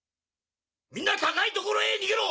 みんな高い所へ逃げろ！